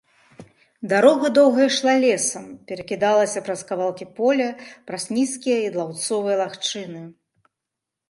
Дарога доўга ішла лесам, перакідалася праз кавалкі поля, праз нізкія ядлаўцовыя лагчыны.